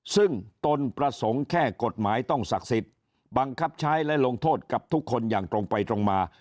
ซึ่งตนประสงค์แค่กฎหมายต้องศักดิ์สิทธิ์บังคับใช้และลงโทษกับทุกคนอย่างตรงไปตรงมา